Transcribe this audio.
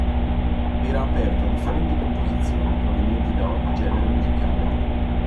Era aperto a differenti composizioni, provenienti da ogni genere musicale.